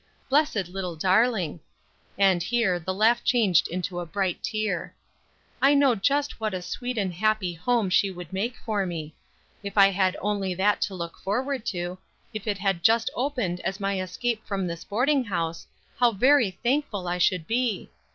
Blessed little darling!" and here, the laugh changed into a bright tear. "I know just what a sweet and happy home she would make for me. If I had only that to look forward to, if it had just opened as my escape from this boarding house, how very thankful I should be!